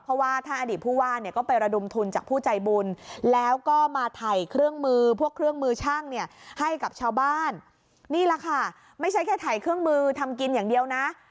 เพราะว่าถ้าอดีตผู้ว่าเนี่ยก็ไประดุมทุนจากผู้ใจบุญ